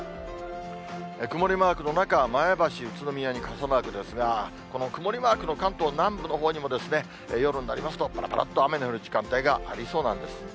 曇りマークの中、前橋、宇都宮に傘マークですが、この曇りマークの関東南部のほうにも、夜になりますと、ぱらぱらっと雨の降る時間帯がありそうなんです。